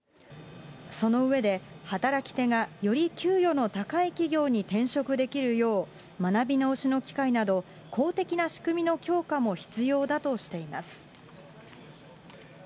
その上で、働き手がより給与の高い企業に転職できるよう、学び直しの機会など、公的な仕組みの強化も必要だとしています。